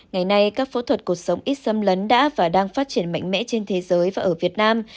ngày nay các phẫu thuật cuộc sống ít xâm lấn đã và đang phát triển mạnh mẽ trên thế giới và ở việt nam